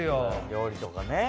料理とかね